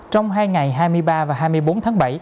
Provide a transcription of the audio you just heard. trong hai ngày hai mươi ba và hai mươi bốn tháng bảy